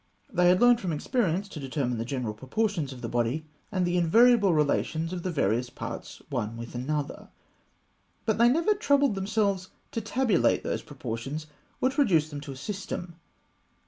They had learned from experience to determine the general proportions of the body, and the invariable relations of the various parts one with another; but they never troubled themselves to tabulate those proportions, or to reduce them to a system.